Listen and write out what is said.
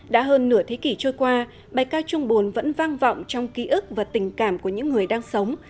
đã hơn nửa thế kỷ trôi qua bài ca trung bồn vẫn vang vọng trong ký ức và tình cảm của những người đang sống